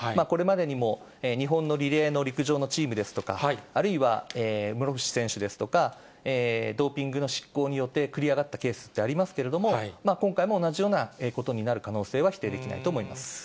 これまでにも日本のリレーの陸上のチームですとか、あるいは室伏選手ですとか、ドーピングの執行によって繰り上がったケースって、ありますけれども、今回も同じようなことになる可能性は否定できないと思います。